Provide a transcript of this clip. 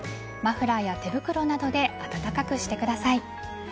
マフラーや手袋などで暖かくしてください。